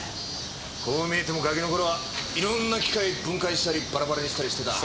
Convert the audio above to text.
こう見えてもガキの頃はいろんな機械分解したりバラバラにしたりしてた。